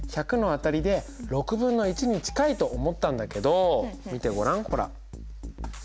１００の辺りで６分の１に近いと思ったんだけど見てごらんほら。